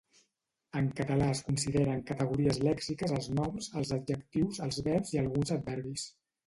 En català es consideren categories lèxiques els noms, els adjectius, els verbs i alguns adverbis.